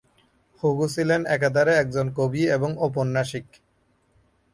Hugo ছিলেন একাধারে একজন কবি এবং ঔপন্যাসিক।